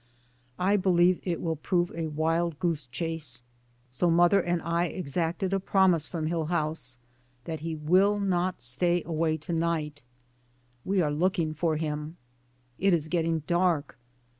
I believe it will prove a wild goose chase, so mother and I exacted a promise from Hillhouse that he will not stay away to night. We are look ing for him. It is getting dark.